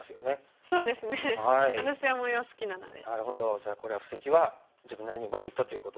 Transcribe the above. じゃあこれは布石は自分なりにうまくいったということで。